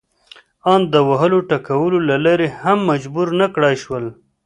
ان د وهلو ټکولو له لارې هم مجبور نه کړای شول.